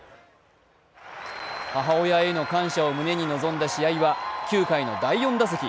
母親への感謝を胸に臨んだ試合は９回の第４打席。